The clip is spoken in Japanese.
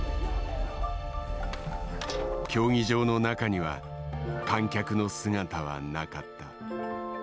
競技場の中には観客の姿はなかった。